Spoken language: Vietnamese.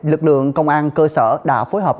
lực lượng công an cơ sở đã phối hợp